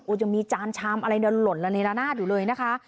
ยังมีจานชามอะไรเนี่ยหล่นละเนละนาดอยู่เลยนะคะ